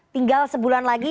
tinggal sebulan lagi